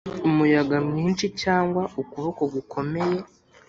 umuyaga mwinshi cyangwa ukuboko gukomeye?